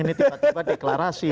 ini tiba tiba deklarasi